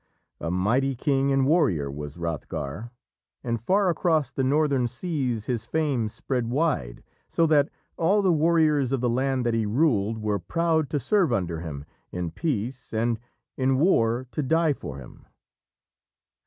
A mighty king and warrior was Hrothgar, and far across the northern seas his fame spread wide, so that all the warriors of the land that he ruled were proud to serve under him in peace, and in war to die for him.